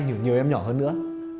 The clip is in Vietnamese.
nhiều nhiều em nhỏ hơn nữa